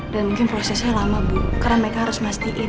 dan mungkin prosesnya lama bu karena mereka harus mastiin